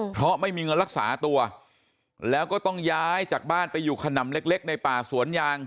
เพราะไม่มีเงินรักษาตัวแล้วก็ต้องย้ายจากบ้านไปอยู่ขนำเล็กในป่าสวนยาง